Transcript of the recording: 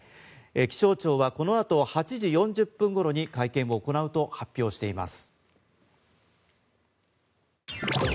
気象庁はこの後８時４０分頃に会見を行うと発表しています。